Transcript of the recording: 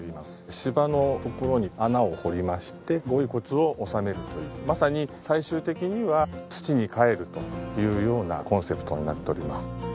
芝のところに穴を掘りましてご遺骨を納めるというまさに最終的には土に還るというようなコンセプトになっております。